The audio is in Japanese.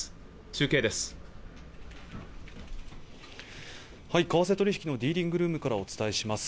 中継です為替取引のディーリングルームからお伝えします